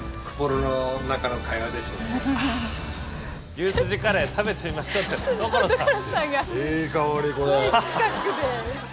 牛すじカレー食べてみましょうって所さん！